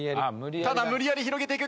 ただ無理やり広げていく。